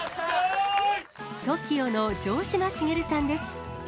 ＴＯＫＩＯの城島茂さんです。